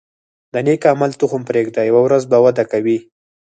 د نیک عمل تخم پرېږده، یوه ورځ به وده کوي.